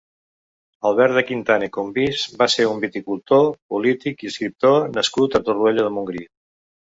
Albert de Quintana i Combis va ser un viticultor, polític i escriptor nascut a Torroella de Montgrí.